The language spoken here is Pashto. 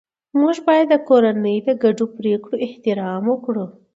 موږ باید د کورنۍ د ګډو پریکړو احترام وکړو